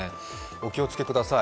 お気をつけください。